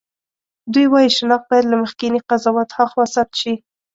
دوی وايي شناخت باید له مخکېني قضاوت هاخوا ثبت شي.